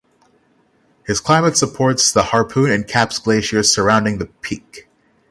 This climate supports the Harpoon and Capps Glaciers surrounding the peak.